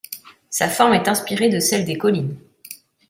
Sa forme est inspirée de celle des collines.